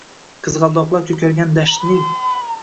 Qizg‘aldoqlar ko‘kargan dashtning